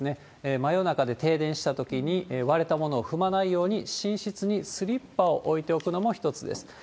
真夜中で停電したときに、割れたものを踏まないように、寝室にスリッパを置いておくのも一つです。